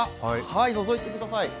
のぞいてください。